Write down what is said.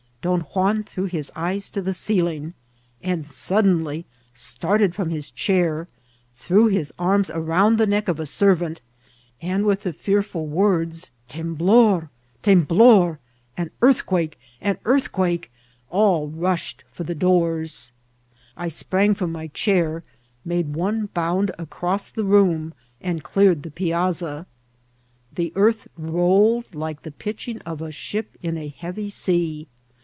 Don Juan threw his eyes to the ceiling, and suddenly started from his chair, threw his arms around the neck of a servant, and with the fearful ▲ V SAmTHQUAKX. 388 words ^Memblor !''<^ temblor!" <«aii eaithquake !''*^ an earthquake !" all mahed for the doors. I sprang from my chair^ made one bound across the room, and cleared the piazza. The earth rolled like the pitching of a ship in a heavy sea.